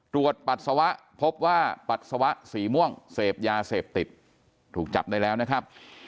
ปัสสาวะพบว่าปัสสาวะสีม่วงเสพยาเสพติดถูกจับได้แล้วนะครับ